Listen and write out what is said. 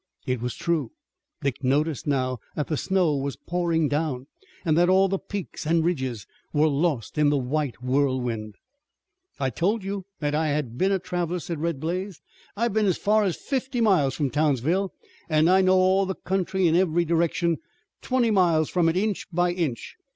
It was true. Dick noticed now that the snow was pouring down, and that all the peaks and ridges were lost in the white whirlwind. "I told you that I had been a traveler," said Red Blaze. "I've been as far as fifty miles from Townsville, and I know all the country in every direction, twenty miles from it, inch by inch.